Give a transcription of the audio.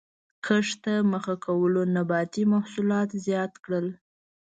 کښت ته مخه کولو نباتي محصولات زیات کړل